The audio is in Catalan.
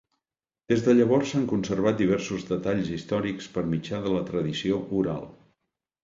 Des de llavors s'han conservat diversos detalls històrics per mitjà de la tradició oral.